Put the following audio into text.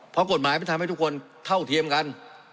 เพราะกฎหมายมันทำให้ทุกคนเท่าเทียมกัน